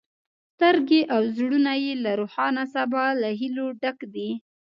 سترګې او زړونه یې له روښانه سبا له هیلو ډک دي.